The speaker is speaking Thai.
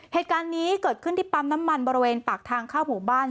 เหตุการณ์นี้เกิดขึ้นที่ปั๊มน้ำมันบริเวณปากทางเข้าหมู่บ้าน